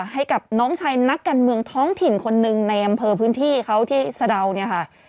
ให้กับน้องชายนักการเมืองท้องถิ่นคนหนึ่งในอำเภอพื้นที่เขาที่สะดาวเนี่ยค่ะ